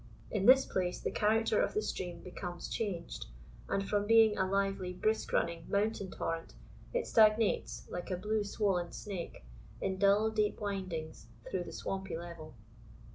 In this place the character of the stream becomes changed, and, from being a lively brisk running mountain torrent, it stagnates, like a blue swollen snake, in dull deep windings, through the swampy level.